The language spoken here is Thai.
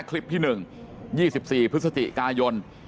คลิปที่หนึ่ง๒๔พฤศจิกายน